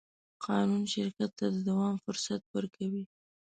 قانون شرکت ته د دوام فرصت ورکوي.